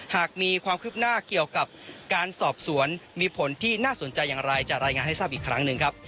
หากมีความคืบหน้าเกี่ยวกับการสอบสวนมีผลที่น่าสนใจอย่างไรจะรายงานให้ทราบอีกครั้งหนึ่งครับ